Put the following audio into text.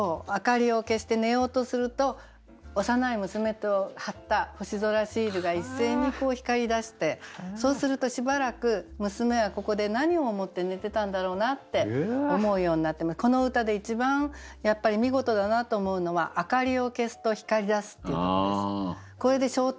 明かりを消して寝ようとすると幼い娘と貼った星空シールが一斉に光りだしてそうするとしばらく娘はここで何を思って寝てたんだろうなって思うようになってこの歌で一番やっぱり見事だなと思うのは「明かりを消すと光出す」っていうとこです。